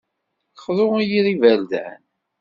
Xḍu i yir iberdan.